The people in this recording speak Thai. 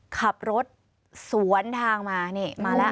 ขับรถสวนทางมานี่มาแล้ว